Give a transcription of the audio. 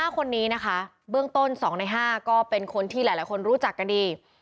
๕คนนี้นะคะเบื้องต้น๒ใน๕ก็เป็นคนที่หลายคนรู้จักกันดี